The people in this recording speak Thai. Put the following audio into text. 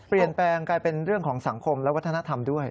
เปลี่ยนแปลงกลายเป็นเรื่องของสังคมและวัฒนธรรมด้วย